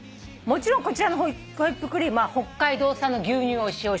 もちろんこちらのホイップクリームは北海道産の牛乳を使用してます。